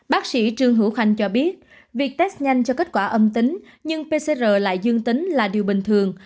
bác sĩ trương hữu khanh cho biết việc test nhanh cho kết quả âm tính nhưng pcr lại dương tính là điều bình thường